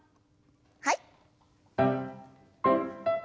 はい。